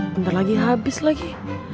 bentar lagi habis lagi